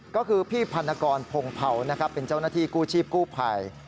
ก็คือพี่พันกรพงเผานะครับเป็นเจ้าหน้าที่กู้ชีพกู้ภัย